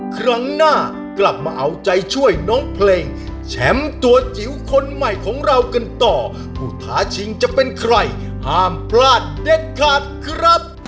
ครั้งหน้ากลับมาเอาใจช่วยน้องเพลงแชมป์ตัวจิ๋วคนใหม่ของเรากันต่อผู้ท้าชิงจะเป็นใครห้ามพลาดเด็ดขาดครับ